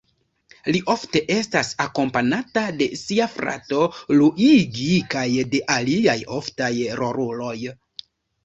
Li ofte estas akompanata de sia frato Luigi kaj de aliaj oftaj roluloj.